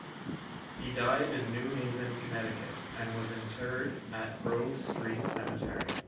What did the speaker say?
He died in New Haven, Connecticut, and was interred at Grove Street Cemetery.